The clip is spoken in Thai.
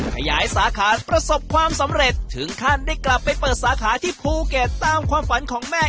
ขยายสาขาประสบความสำเร็จถึงขั้นได้กลับไปเปิดสาขาที่ภูเก็ตตามความฝันของแม่